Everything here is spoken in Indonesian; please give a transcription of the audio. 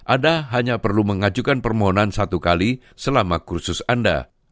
anda hanya perlu mengajukan permohonan satu kali selama kursus anda